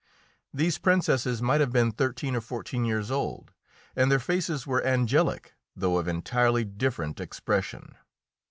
These Princesses might have been thirteen or fourteen years old, and their faces were angelic, though of entirely different expression.